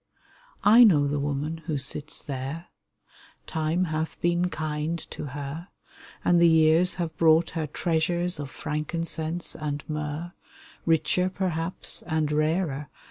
I know the woman who sits there ; Time hath been kind to her. And the years have brought her treasures Of frankincense and myrrh Richer, perhaps, and rarer.